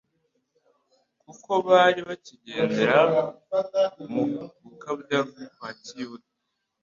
kuko bari bakigendera mu gukabya kwa kiyuda.